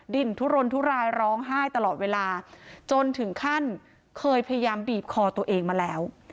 ดิ่นทุรนทุรายร้องไห้ตลอดเวลาจนถึงขั้นเคยพยายามบีบคอตัวเองมาแล้ว